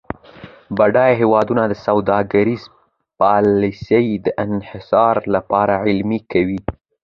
بډایه هیوادونه د سوداګرۍ پالیسي د انحصار لپاره عملي کوي.